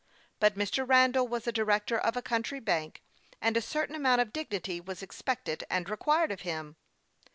But Mr. Randall was a director of a country bank, and a certain amount of dignity was expected and required of him.